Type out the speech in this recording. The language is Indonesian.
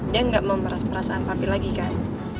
dia gak mau meras perasaan papi lagi kan